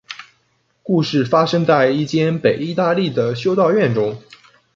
故事发生在一间北意大利的修道院中。